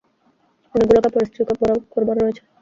অনেকগুলো কাপড় ইস্ত্রি করবার রয়েছে।